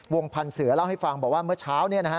วงพันธุ์เสือเล่าให้ฟังบอกว่าเมื่อเช้าเนี่ยนะฮะ